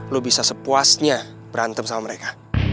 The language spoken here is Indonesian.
lo bisa sepuasnya berantem sama mereka